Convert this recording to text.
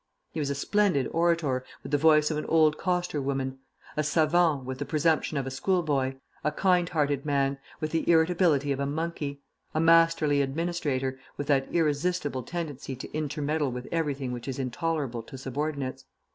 He was a splendid orator, with the voice of an old coster woman; a savant with the presumption of a school boy; a kind hearted man, with the irritability of a monkey; a masterly administrator, with that irresistible tendency to intermeddle with everything which is intolerable to subordinates.